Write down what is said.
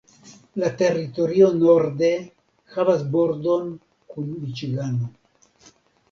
La teritorio norde havas bordon kun Miĉigano.